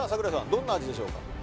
どんな味でしょうか？